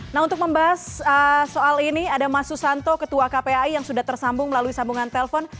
nah untuk membahas soal ini ada mas susanto ketua kpai yang sudah tersambung melalui sambungan telpon